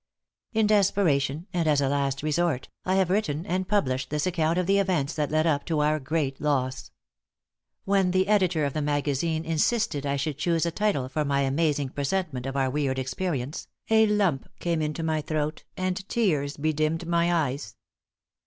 In desperation, and as a last resort, I have written and published this account of the events that led up to our great loss. When the editor of a magazine insisted that I should choose a title for my amazing presentment of our weird experience, a lump came into my throat and tears bedimmed my eyes.